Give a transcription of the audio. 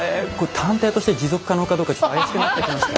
探偵として持続可能かどうかちょっと怪しくなってきました。